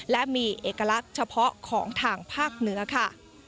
และมีเอกลักษณ์เฉพาะของทางภาคเหนือค่ะ